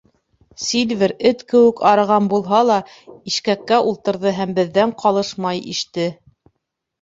Сильвер, эт кеүек арыған булһа ла, ишкәккә ултырҙы һәм беҙҙән ҡалышмай иште.